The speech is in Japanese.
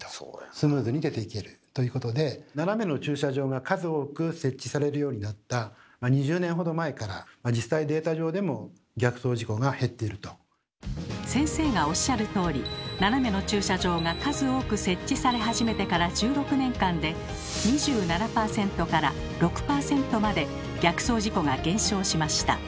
スムーズに出ていけるということで実際データ上でも先生がおっしゃるとおり斜めの駐車場が数多く設置され始めてから１６年間で２７％から６％まで逆走事故が減少しました。